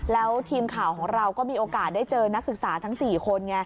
แล้วทีมข่าวของเราก็มีโอกาสได้เจอนักศึกษาทั้ง๔คน